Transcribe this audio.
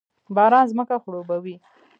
باران ځمکه خړوبوي